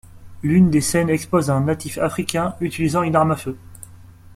L'une des scènes expose un natif africain utilisant une arme à feu.